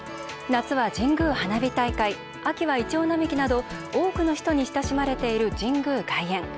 夏は神宮花火大会秋はイチョウ並木など多くの人に親しまれている神宮外苑。